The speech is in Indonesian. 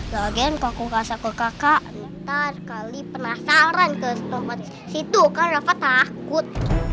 lagian kok aku kasih aku kakak ntar kali penasaran ke tempat situ kan rafa takut